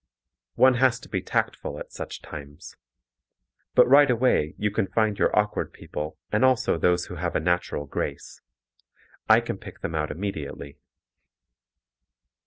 One has to be tactful at such times. But right away you can find your awkward people and also those who have a natural grace. I can pick them out immediately.